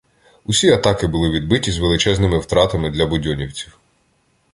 Усі атаки були відбиті з величезними втратами для будьонівців.